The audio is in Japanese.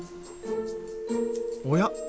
おや？